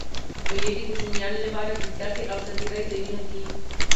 مېلې د کوچنيانو له پاره د زدهکړي او ساتېري ځایونه دي.